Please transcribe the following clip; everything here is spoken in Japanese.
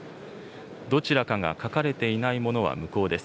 どちらかが書かれていないものは無効です。